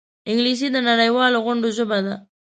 انګلیسي د نړيوالو غونډو ژبه ده